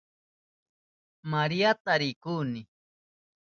Mariata rikuhuni.